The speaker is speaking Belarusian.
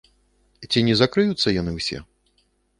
Ці не закрыюцца яны ўсе?